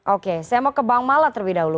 oke saya mau ke bang mala terlebih dahulu